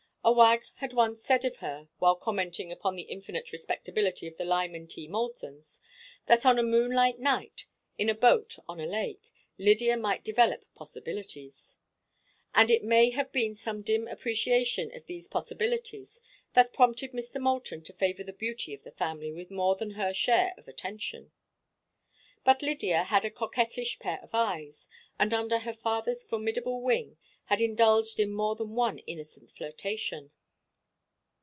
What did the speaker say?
A wag had once said of her, while commenting upon the infinite respectability of the Lyman T. Moultons, that on a moonlight night, in a boat on a lake, Lydia might develop possibilities; and it may have been some dim appreciation of these possibilities that prompted Mr. Moulton to favor the beauty of the family with more than her share of attention. But Lydia had a coquettish pair of eyes, and under her father's formidable wing had indulged in more than one innocent flirtation.